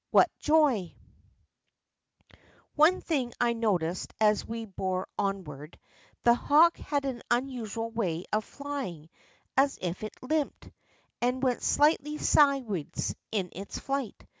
What joy ! One thing I noticed as we bore onward. The hawk had an unusual way of flying as if he limped, and went slightly sideways in his flight.